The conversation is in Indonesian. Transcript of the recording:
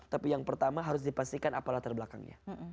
tapi yang pertama harus dipastikan apa latar belakangnya